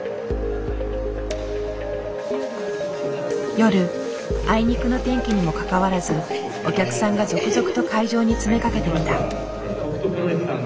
夜あいにくの天気にもかかわらずお客さんが続々と会場に詰めかけてきた。